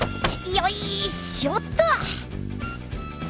よいしょっと！